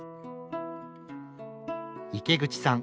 池口さん